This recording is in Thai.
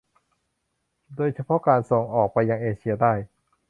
โดยเฉพาะการส่งออกไปยังเอเชียใต้